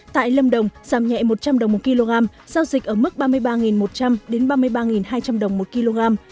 tại lâm đồng giảm nhẹ một trăm linh đồng một kg giao dịch ở mức ba mươi ba một trăm linh ba mươi ba hai trăm linh đồng một kg